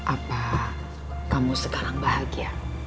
apa kamu sekarang bahagia